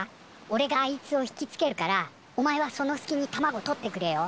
おれがあいつを引きつけるからおまえはそのすきに卵取ってくれよ。